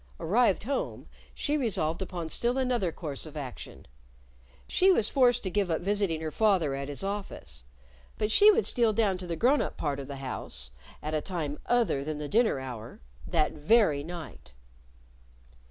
Arrived home, she resolved upon still another course of action. She was forced to give up visiting her father at his office. But she would steal down to the grown up part of the house at a time other than the dinner hour that very night!